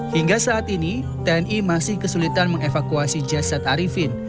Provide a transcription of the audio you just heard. hingga saat ini tni masih kesulitan mengevakuasi jasad arifin